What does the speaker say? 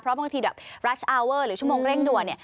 เพราะบางทีแบบรัชอาเวอร์หรือชั่วโมงเร่งด่วนเนี่ย